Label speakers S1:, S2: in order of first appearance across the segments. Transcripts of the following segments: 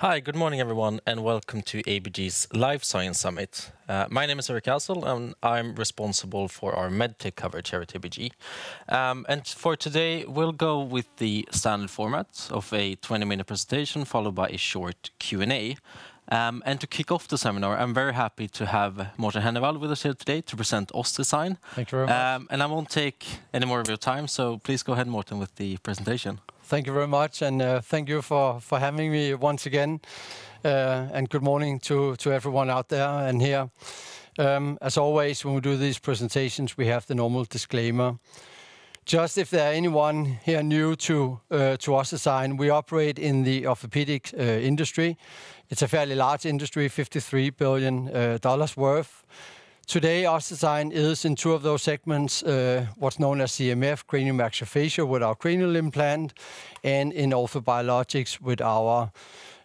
S1: Hi, good morning everyone, and welcome to ABG's Life Science Summit. My name is Erik Cassel, and I'm responsible for our MedTech coverage here at ABG, and for today, we'll go with the standard format of a 20-minute presentation followed by a short Q&A. To kick off the seminar, I'm very happy to have Morten Henneveld with us here today to present OssDsign.
S2: Thank you very much.
S1: I won't take any more of your time, so please go ahead, Morten, with the presentation.
S2: Thank you very much, and thank you for having me once again. Good morning to everyone out there and here. As always, when we do these presentations, we have the normal disclaimer. Just if there is anyone here new to OssDsign, we operate in the orthopedic industry. It's a fairly large industry, $53 billion worth. Today, OssDsign is in two of those segments, what's known as CMF, cranial maxillofacial with our cranial implant, and in orthobiologics with our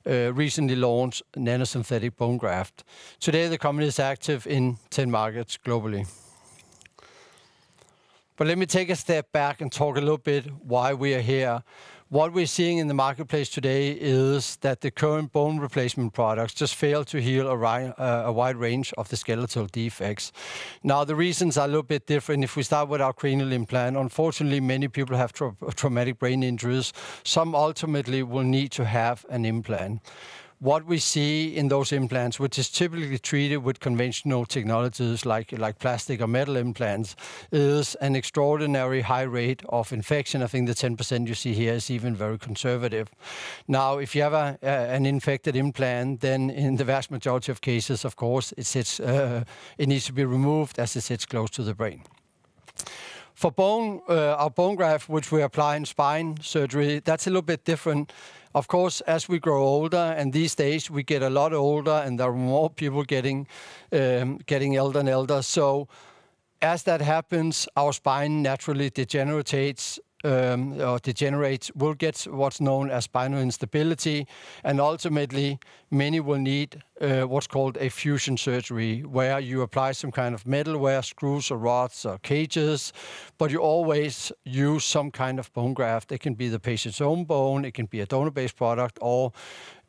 S2: recently launched nanosynthetic bone graft. Today, the company is active in 10 markets globally. Let me take a step back and talk a little bit about why we are here. What we're seeing in the marketplace today is that the current bone replacement products just fail to heal a wide range of the skeletal defects. Now, the reasons are a little bit different. If we start with our cranial implant, unfortunately, many people have traumatic brain injuries. Some ultimately will need to have an implant. What we see in those implants, which is typically treated with conventional technologies like plastic or metal implants, is an extraordinary high rate of infection. I think the 10% you see here is even very conservative. Now, if you have an infected implant, then in the vast majority of cases, of course, it needs to be removed as it sits close to the brain. For our bone graft, which we apply in spine surgery, that's a little bit different. Of course, as we grow older, and these days we get a lot older, and there are more people getting older and older. So as that happens, our spine naturally degenerates, will get what's known as spinal instability. Ultimately, many will need what's called a fusion surgery, where you apply some kind of metalware, screws or rods or cages, but you always use some kind of bone graft. It can be the patient's own bone, it can be a donor-based product, or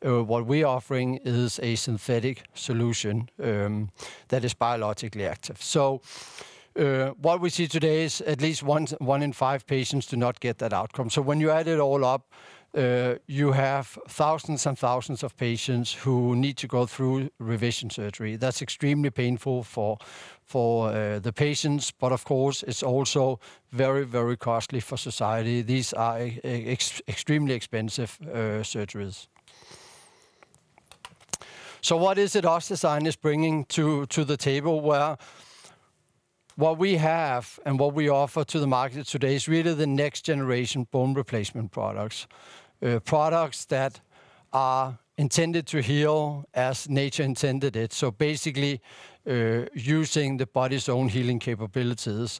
S2: what we are offering is a synthetic solution that is biologically active. What we see today is at least one in five patients do not get that outcome. When you add it all up, you have thousands and thousands of patients who need to go through revision surgery. That's extremely painful for the patients, but of course, it's also very, very costly for society. These are extremely expensive surgeries. What is it OssDsign is bringing to the table? What we have and what we offer to the market today is really the next generation bone replacement products, products that are intended to heal as nature intended it. Basically, using the body's own healing capabilities.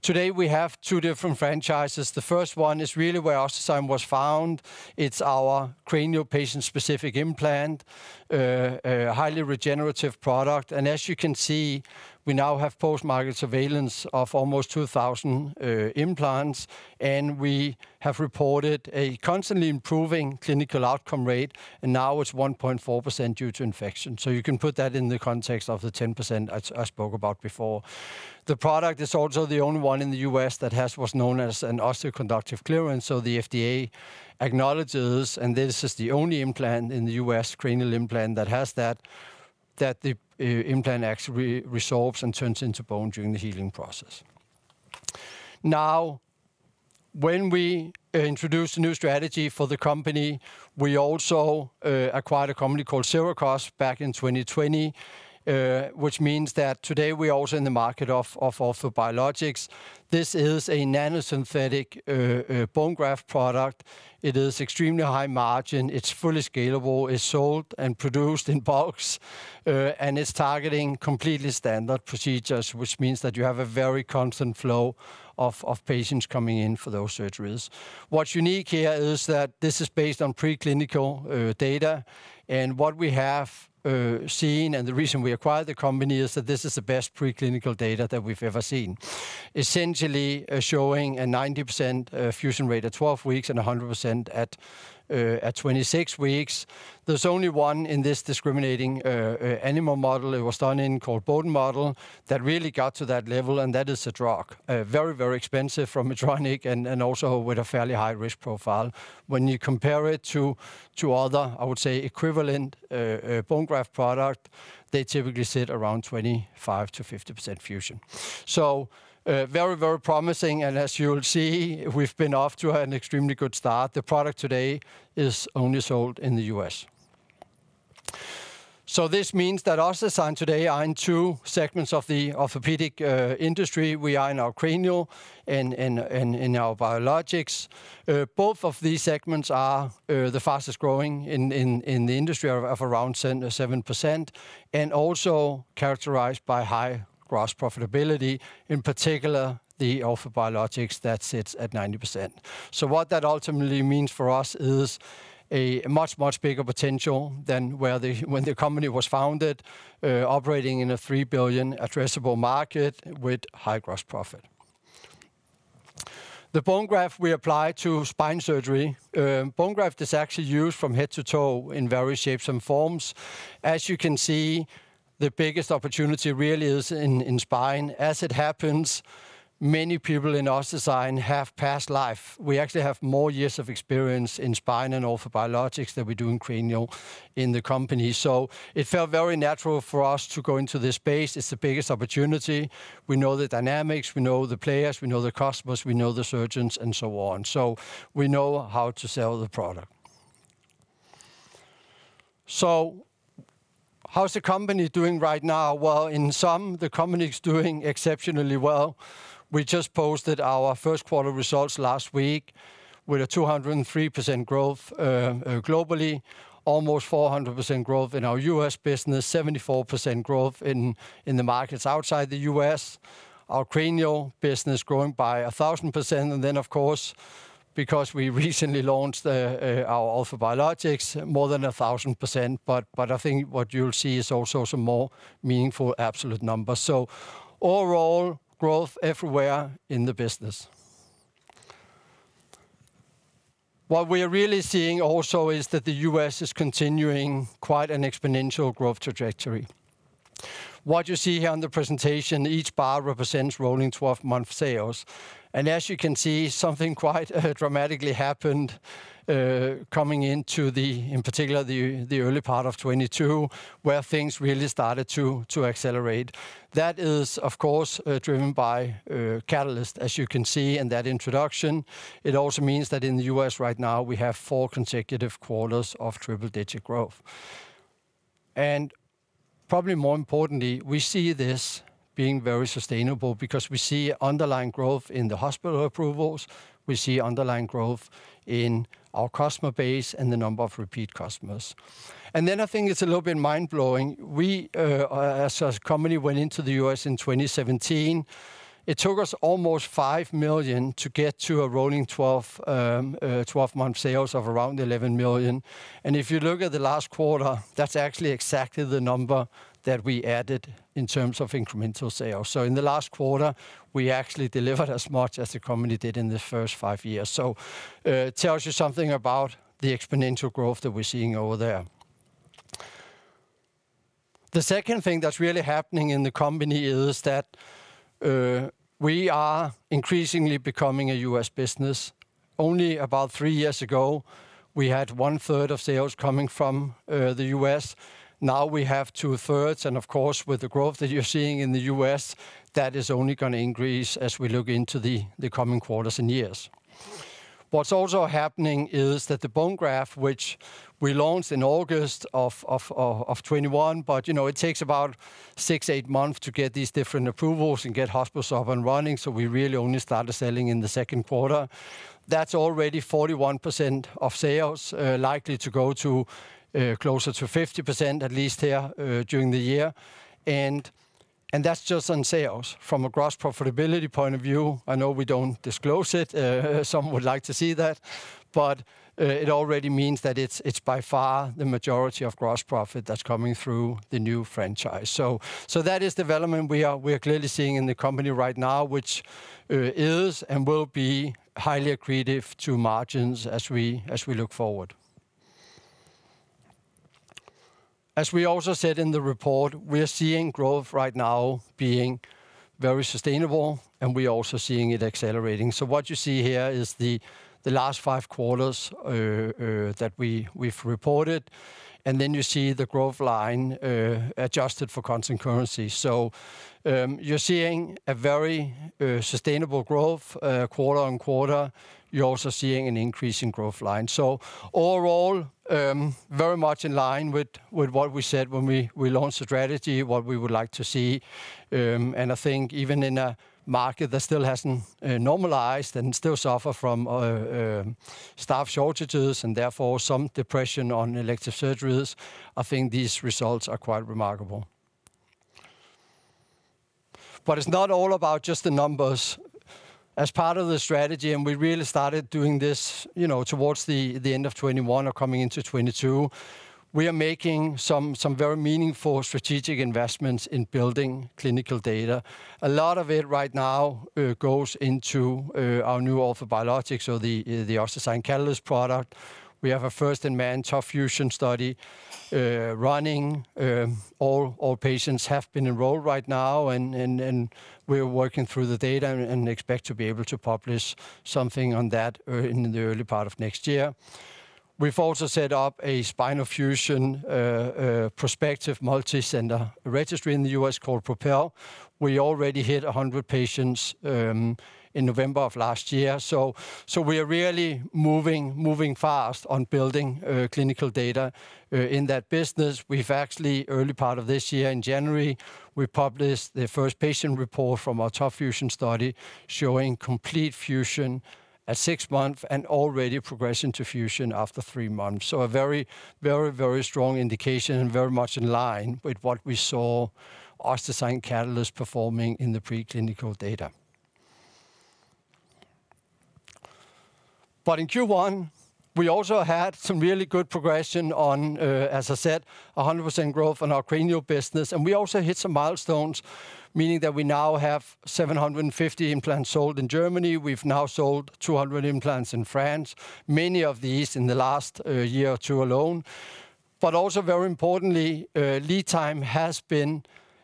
S2: Today, we have two different franchises. The first one is really where OssDsign was founded. It's our cranial patient-specific implant, a highly regenerative product. As you can see, we now have post-market surveillance of almost 2,000 implants, and we have reported a constantly improving clinical outcome rate, and now it's 1.4% due to infection. You can put that in the context of the 10% I spoke about before. The product is also the only one in the U.S. that has what's known as an osteoconductive clearance. The FDA acknowledges, and this is the only implant in the U.S., cranial implant that has that, the implant actually resorbs and turns into bone during the healing process. Now, when we introduced a new strategy for the company, we also acquired a company called Sirakoss back in 2020, which means that today we are also in the market of orthobiologics. This is a nanosynthetic bone graft product. It is extremely high margin. It's fully scalable. It's sold and produced in bulks, and it's targeting completely standard procedures, which means that you have a very constant flow of patients coming in for those surgeries. What's unique here is that this is based on preclinical data, and what we have seen, and the reason we acquired the company is that this is the best preclinical data that we've ever seen, essentially showing a 90% fusion rate at 12 weeks and 100% at 26 weeks. There's only one in this discriminating animal model it was done in called Boden model that really got to that level, and that is a drug, very, very expensive from Medtronic and also with a fairly high risk profile. When you compare it to other, I would say, equivalent bone graft products, they typically sit around 25%-50% fusion. So very, very promising. And as you'll see, we've been off to an extremely good start. The product today is only sold in the U.S.. So this means that OssDsign today is in two segments of the orthopedic industry. We are in our cranial and in our biologics. Both of these segments are the fastest growing in the industry of around 7% and also characterized by high gross profitability, in particular the orthobiologics that sits at 90%, so what that ultimately means for us is a much, much bigger potential than when the company was founded, operating in a $3 billion addressable market with high gross profit. The bone graft we apply to spine surgery, bone graft is actually used from head to toe in various shapes and forms. As you can see, the biggest opportunity really is in spine. As it happens, many people in OssDsign have past life. We actually have more years of experience in spine and orthobiologics than we do in cranial in the company, so it felt very natural for us to go into this space. It's the biggest opportunity. We know the dynamics, we know the players, we know the customers, we know the surgeons, and so on. So we know how to sell the product. So how's the company doing right now? Well, in sum, the company is doing exceptionally well. We just posted our first quarter results last week with a 203% growth globally, almost 400% growth in our U.S. business, 74% growth in the markets outside the U.S., our cranial business growing by 1,000%. And then, of course, because we recently launched our orthobiologics, more than 1,000%. But I think what you'll see is also some more meaningful absolute numbers. So overall growth everywhere in the business. What we are really seeing also is that the U.S. is continuing quite an exponential growth trajectory. What you see here on the presentation, each bar represents rolling 12-month sales. And as you can see, something quite dramatically happened coming into the, in particular, the early part of 2022, where things really started to accelerate. That is, of course, driven by catalysts, as you can see in that introduction. It also means that in the U.S. right now, we have four consecutive quarters of triple-digit growth. And probably more importantly, we see this being very sustainable because we see underlying growth in the hospital approvals. We see underlying growth in our customer base and the number of repeat customers. And then I think it's a little bit mind-blowing. We, as a company, went into the U.S. in 2017. It took us almost $5 million to get to a rolling 12-month sales of around $11 million. And if you look at the last quarter, that's actually exactly the number that we added in terms of incremental sales. So in the last quarter, we actually delivered as much as the company did in the first five years. So it tells you something about the exponential growth that we're seeing over there. The second thing that's really happening in the company is that we are increasingly becoming a U.S. business. Only about three years ago, we had one-third of sales coming from the U.S. Now we have two-thirds. And of course, with the growth that you're seeing in the U.S., that is only going to increase as we look into the coming quarters and years. What's also happening is that the bone graft, which we launched in August of 2021, but it takes about six, eight months to get these different approvals and get hospitals up and running. So we really only started selling in the second quarter. That's already 41% of sales likely to go to closer to 50%, at least here during the year, and that's just on sales. From a gross profitability point of view, I know we don't disclose it. Some would like to see that, but it already means that it's by far the majority of gross profit that's coming through the new franchise, so that is development we are clearly seeing in the company right now, which is and will be highly accretive to margins as we look forward. As we also said in the report, we are seeing growth right now being very sustainable, and we are also seeing it accelerating, so what you see here is the last five quarters that we've reported, and then you see the growth line adjusted for constant currency, so you're seeing a very sustainable growth quarter-on-quarter. You're also seeing an increase in growth line, so overall, very much in line with what we said when we launched the strategy, what we would like to see, and I think even in a market that still hasn't normalized and still suffers from staff shortages and therefore some depression on elective surgeries, I think these results are quite remarkable, but it's not all about just the numbers. As part of the strategy, and we really started doing this towards the end of 2021 or coming into 2022, we are making some very meaningful strategic investments in building clinical data. A lot of it right now goes into our new orthobiologics or the OssDsign Catalyst product. We have a first-in-man TLIF fusion study running. All patients have been enrolled right now, and we're working through the data and expect to be able to publish something on that in the early part of next year. We've also set up a spinal fusion prospective multi-center registry in the U.S. called PROPEL. We already hit 100 patients in November of last year. So we are really moving fast on building clinical data in that business. We've actually, early part of this year, in January, we published the first patient report from our TOP FUSION study showing complete fusion at six months and already progression to fusion after three months. So a very, very, very strong indication and very much in line with what we saw OssDsign Catalyst performing in the preclinical data. But in Q1, we also had some really good progression on, as I said, 100% growth on our cranial business. And we also hit some milestones, meaning that we now have 750 implants sold in Germany. We've now sold 200 implants in France, many of these in the last year or two alone. But also very importantly, lead time has been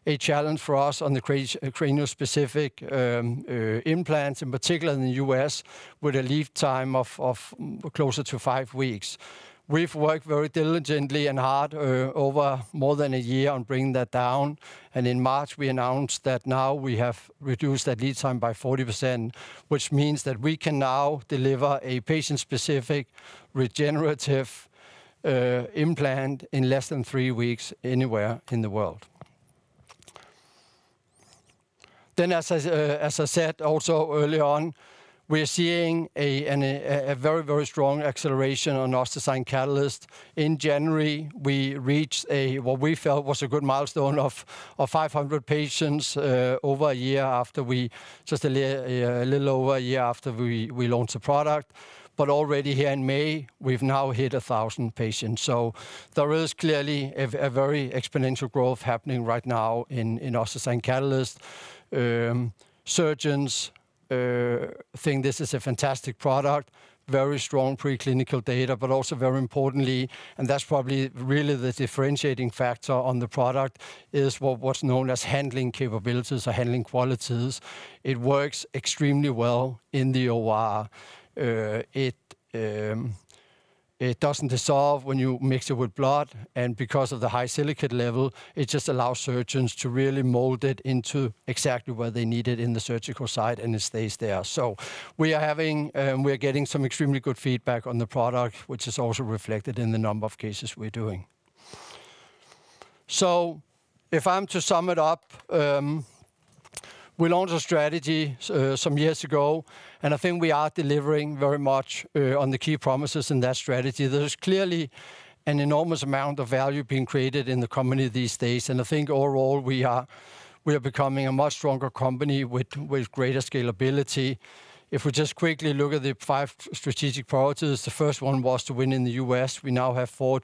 S2: a challenge for us on the cranial-specific implants, in particular in the U.S., with a lead time of closer to five weeks. We've worked very diligently and hard over more than a year on bringing that down. And in March, we announced that now we have reduced that lead time by 40%, which means that we can now deliver a patient-specific regenerative implant in less than three weeks anywhere in the world. Then, as I said also early on, we are seeing a very, very strong acceleration on OssDsign Catalyst. In January, we reached what we felt was a good milestone of 500 patients over a year after, just a little over a year after we launched the product. But already here in May, we've now hit 1,000 patients. So there is clearly a very exponential growth happening right now in OssDsign Catalyst. Surgeons think this is a fantastic product, very strong preclinical data, but also very importantly, and that's probably really the differentiating factor on the product, is what's known as handling capabilities or handling qualities. It works extremely well in the OR. It doesn't dissolve when you mix it with blood. And because of the high silicate level, it just allows surgeons to really mold it into exactly where they need it in the surgical site, and it stays there. So we are getting some extremely good feedback on the product, which is also reflected in the number of cases we're doing. So if I'm to sum it up, we launched a strategy some years ago, and I think we are delivering very much on the key promises in that strategy. There's clearly an enormous amount of value being created in the company these days. And I think overall, we are becoming a much stronger company with greater scalability. If we just quickly look at the five strategic priorities, the first one was to win in the U.S. We now have four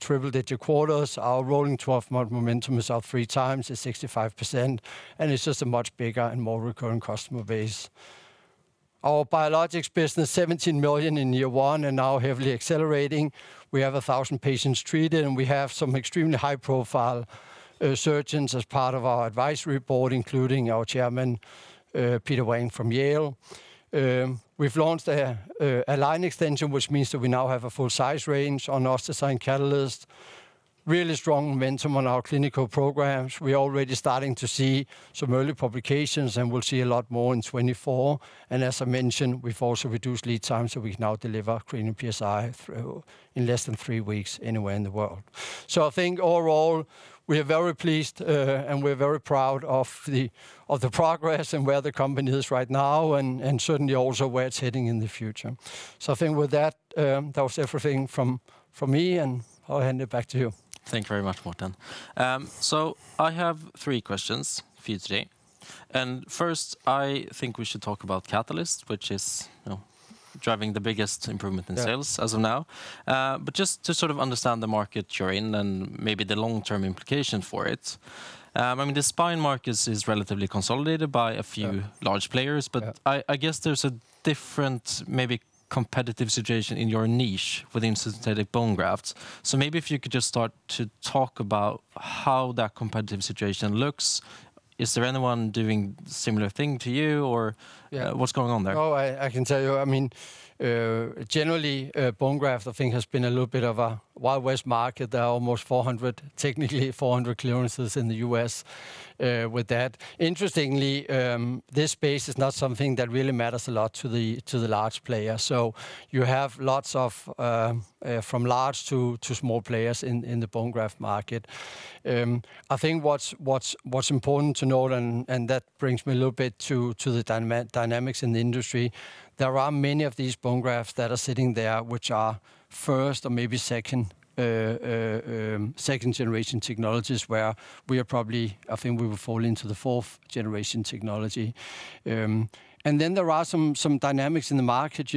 S2: triple-digit quarters. Our rolling 12-month momentum is up three times at 65%. And it's just a much bigger and more recurring customer base. Our biologics business, $17 million in year one and now heavily accelerating. We have 1,000 patients treated, and we have some extremely high-profile surgeons as part of our advisory board, including our chairman, Peter Whang, from Yale. We've launched a line extension, which means that we now have a full-size range on OssDsign Catalyst, really strong momentum on our clinical programs. We're already starting to see some early publications, and we'll see a lot more in 2024, and as I mentioned, we've also reduced lead time, so we can now deliver cranial PSI in less than three weeks anywhere in the world, so I think overall, we are very pleased, and we're very proud of the progress and where the company is right now, and certainly also where it's heading in the future, so I think with that, that was everything from me, and I'll hand it back to you.
S1: Thank you very much, Morten. I have three questions for you today. First, I think we should talk about Catalyst, which is driving the biggest improvement in sales as of now. Just to sort of understand the market you're in and maybe the long-term implication for it, I mean, the spine market is relatively consolidated by a few large players, but I guess there's a different maybe competitive situation in your niche within synthetic bone grafts. Maybe if you could just start to talk about how that competitive situation looks, is there anyone doing a similar thing to you, or what's going on there?
S2: Oh, I can tell you. I mean, generally, bone graft, I think, has been a little bit of a Wild West market. There are almost 400, technically 400 clearances in the U.S. with that. Interestingly, this space is not something that really matters a lot to the large players. So you have lots of from large to small players in the bone graft market. I think what's important to note, and that brings me a little bit to the dynamics in the industry, there are many of these bone grafts that are sitting there, which are first or maybe second-generation technologies where we are probably, I think we will fall into the fourth-generation technology. And then there are some dynamics in the market.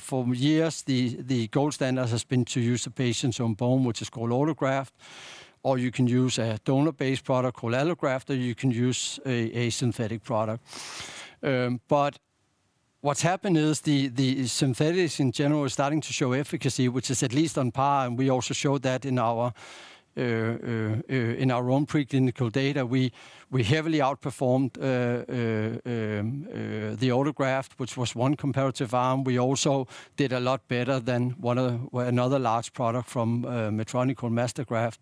S2: For years, the gold standard has been to use a patient's own bone, which is called autograft, or you can use a donor-based product called allograft, or you can use a synthetic product. But what's happened is the synthetics in general are starting to show efficacy, which is at least on par. And we also showed that in our own preclinical data. We heavily outperformed the autograft, which was one comparative arm. We also did a lot better than another large product from Medtronic called Mastergraft.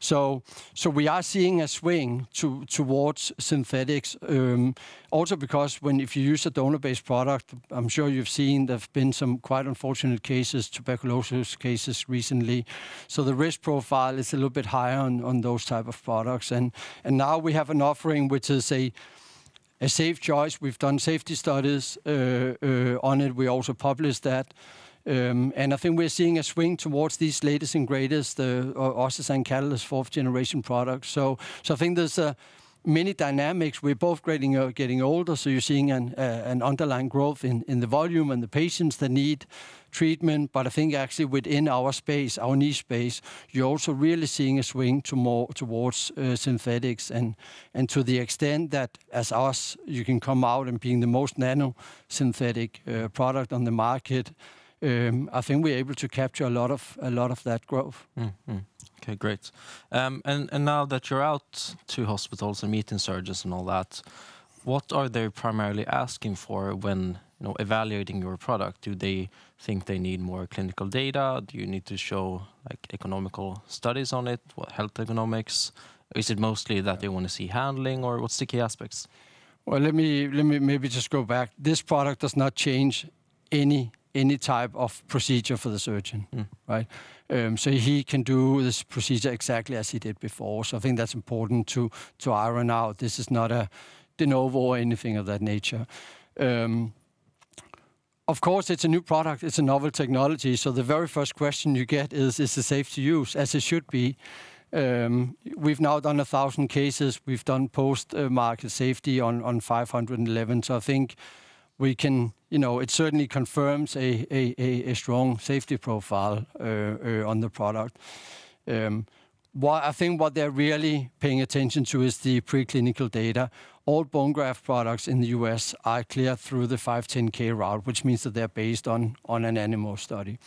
S2: So we are seeing a swing towards synthetics, also because if you use a donor-based product, I'm sure you've seen there've been some quite unfortunate cases, tuberculosis cases recently. So the risk profile is a little bit higher on those types of products. And now we have an offering, which is a safe choice. We've done safety studies on it. We also published that. And I think we're seeing a swing towards these latest and greatest, OssDsign Catalyst, fourth-generation products. So I think there's many dynamics. We're both getting older, so you're seeing an underlying growth in the volume and the patients that need treatment. But I think actually within our space, our niche space, you're also really seeing a swing towards synthetics. And to the extent that, as us, you can come out and be the most nano-synthetic product on the market, I think we're able to capture a lot of that growth.
S1: Okay, great. And now that you're out to hospitals and meeting surgeons and all that, what are they primarily asking for when evaluating your product? Do they think they need more clinical data? Do you need to show economic studies on it, health economics? Is it mostly that they want to see handling, or what's the key aspects?
S2: Well, let me maybe just go back. This product does not change any type of procedure for the surgeon, right? So I think that's important to iron out. This is not a de novo or anything of that nature. Of course, it's a new product. It's a novel technology. So the very first question you get is, is it safe to use? As it should be. We've now done 1,000 cases. We've done post-market safety on 511. So I think it certainly confirms a strong safety profile on the product. I think what they're really paying attention to is the preclinical data. All bone graft products in the U.S. are cleared through the 510(k) route, which means that they're based on an animal study.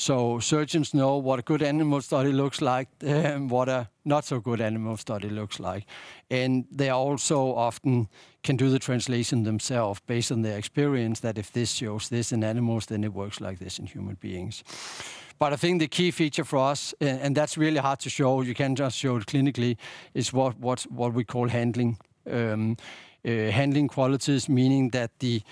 S2: So surgeons know what a good animal study looks like and what a not-so-good animal study looks like, and they also often can do the translation themselves based on their experience that if this shows this in animals, then it works like this in human beings. But I think the key feature for us, and that's really hard to show. You can't just show it clinically, is what we call handling qualities, meaning that the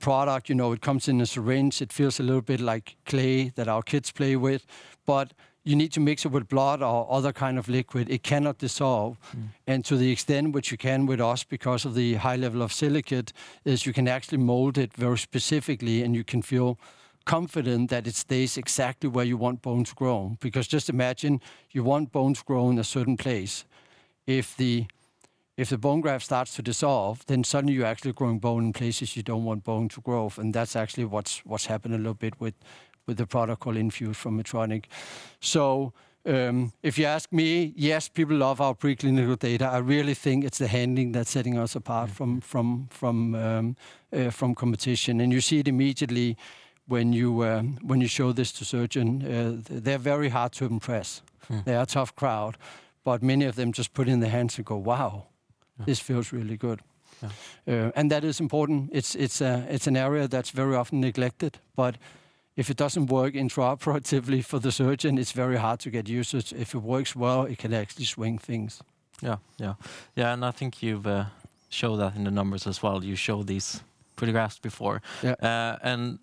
S2: product, it comes in a syringe. It feels a little bit like clay that our kids play with. But you need to mix it with blood or other kind of liquid. It cannot dissolve. And to the extent which you can with us because of the high level of silicate, is you can actually mold it very specifically, and you can feel confident that it stays exactly where you want bone to grow. Because just imagine you want bone to grow in a certain place. If the bone graft starts to dissolve, then suddenly you're actually growing bone in places you don't want bone to grow. And that's actually what's happened a little bit with the product called Infuse from Medtronic. So if you ask me, yes, people love our preclinical data. I really think it's the handling that's setting us apart from competition. And you see it immediately when you show this to surgeons. They're very hard to impress. They are a tough crowd. But many of them just put in their hands and go, wow, this feels really good. And that is important. It's an area that's very often neglected. But if it doesn't work intraoperatively for the surgeon, it's very hard to get usage. If it works well, it can actually swing things.
S1: Yeah, yeah. Yeah, and I think you've showed that in the numbers as well. You showed these pretty graphs before. And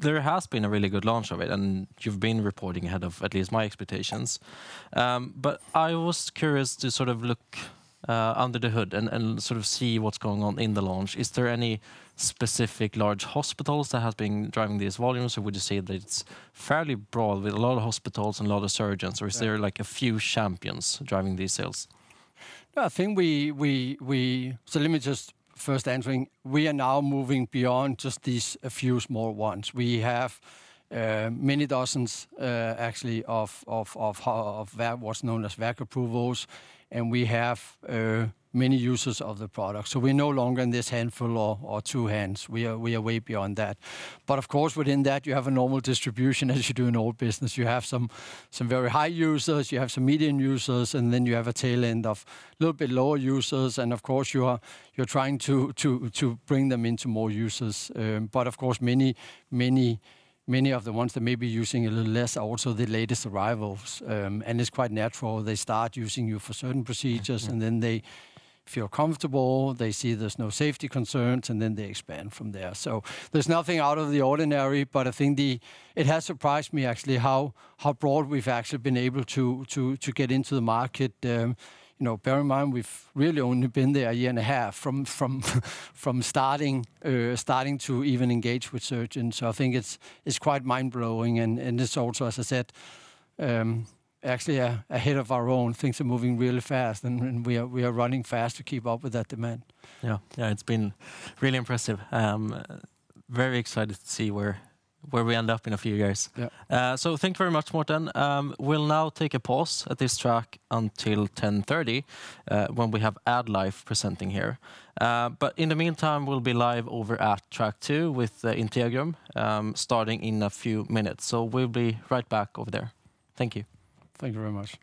S1: there has been a really good launch of it, and you've been reporting ahead of at least my expectations. But I was curious to sort of look under the hood and sort of see what's going on in the launch. Is there any specific large hospitals that have been driving these volumes, or would you say that it's fairly broad with a lot of hospitals and a lot of surgeons, or is there like a few champions driving these sales?
S2: I think we, so let me just first answer. We are now moving beyond just these few small ones. We have many dozens, actually, of what's known as VAC approvals, and we have many users of the product. So we're no longer in this handful or two hands. We are way beyond that, but of course, within that, you have a normal distribution, as you do in all business. You have some very high users. You have some medium users, and then you have a tail end of a little bit lower users, and of course, you're trying to bring them into more users. But of course, many of the ones that may be using a little less are also the latest arrivals, and it's quite natural. They start using you for certain procedures, and then they feel comfortable. They see there's no safety concerns, and then they expand from there, so there's nothing out of the ordinary, but I think it has surprised me, actually, how broad we've actually been able to get into the market. Bear in mind, we've really only been there a year and a half from starting to even engage with surgeons, so I think it's quite mind-blowing, and it's also, as I said, actually ahead of our own. Things are moving really fast, and we are running fast to keep up with that demand.
S1: Yeah, yeah, it's been really impressive. Very excited to see where we end up in a few years. So thank you very much, Morten. We'll now take a pause at this track until 10:30 A.M. when we have AddLife presenting here. But in the meantime, we'll be live over at track two with the Integrum starting in a few minutes. So we'll be right back over there. Thank you.
S2: Thank you very much.